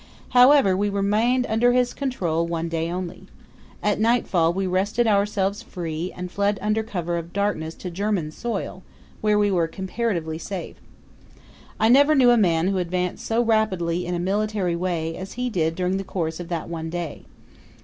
However, we remained under his control one day only. At nightfall we wrested ourselves free and fled under cover of darkness to German soil, where we were comparatively safe. I never knew a man who advanced so rapidly in a military way as he did during the course of that one day.